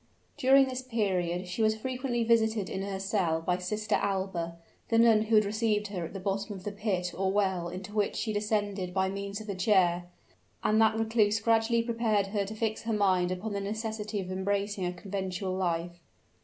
During this period she was frequently visited in her cell by Sister Alba, the nun who had received her at the bottom of the pit or well into which she descended by means of the chair; and that recluse gradually prepared her to fix her mind upon the necessity of embracing a conventual life.